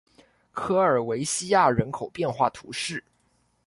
科尔韦西亚人口变化图示